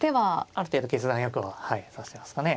ある程度決断よくははい指してますかね。